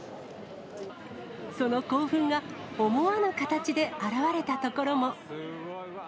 その興奮が思わぬ形で表れたところも。